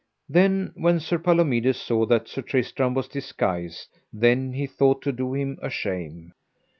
Then when Sir Palomides saw that Sir Tristram was disguised, then he thought to do him a shame.